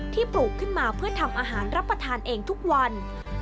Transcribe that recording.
ปลูกขึ้นมาเพื่อทำอาหารรับประทานเองทุกวัน